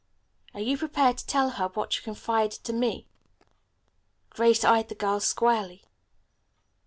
Are you prepared to tell her what you confided to me?" Grace eyed the girl squarely.